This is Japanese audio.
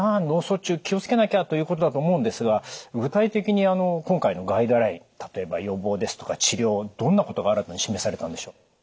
脳卒中気を付けなきゃ」ということだと思うんですが具体的にあの今回のガイドライン例えば予防ですとか治療どんなことが新たに示されたんでしょう？